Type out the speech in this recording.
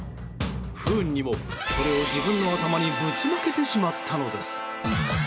不運にもそれを自分の頭にぶちまけてしまったのです。